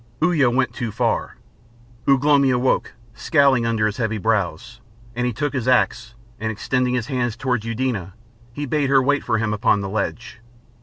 Uya went too far. Ugh lomi awoke, scowling under his heavy brows, and he took his axe, and extending his hand towards Eudena he bade her wait for him upon the ledge.